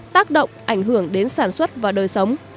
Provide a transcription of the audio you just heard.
tác động ảnh hưởng đến sản xuất và đời sống